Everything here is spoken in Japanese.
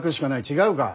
違うか。